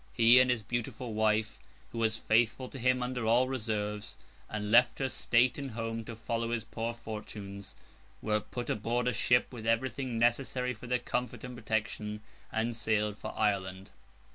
He, and his beautiful wife, who was faithful to him under all reverses, and left her state and home to follow his poor fortunes, were put aboard ship with everything necessary for their comfort and protection, and sailed for Ireland.